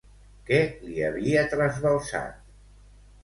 Què li havia trasbalsat?